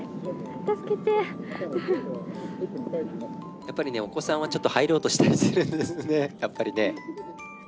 やっぱりねお子さんはちょっと入ろうとしたりするんですねやっぱりね。